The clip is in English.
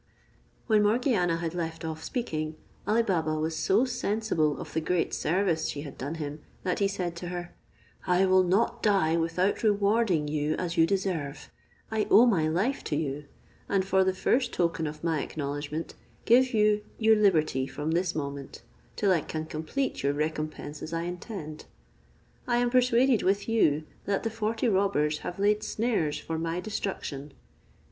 When Morgiana had left off speaking, Ali Baba was so sensible of the great service she had done him, that he said to her, "I will not die without rewarding you as you deserve: I owe my life to you, and for the first token of my acknowledgment, give you your liberty from this moment, till I can complete your recompense as I intend. I am persuaded with you, that the forty robbers have laid snares for my destruction.